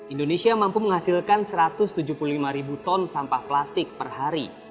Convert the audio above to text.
indonesia mampu menghasilkan satu ratus tujuh puluh lima ribu ton sampah plastik per hari